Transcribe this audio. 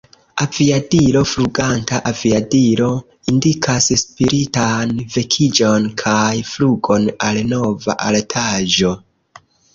Aviadilo: Fluganta aviadilo indikas spiritan vekiĝon kaj flugon al nova altaĵo.